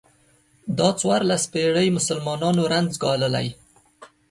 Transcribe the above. دا څوارلس پېړۍ مسلمانانو رنځ ګاللی.